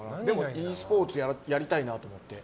ｅスポーツやりたいなと思って。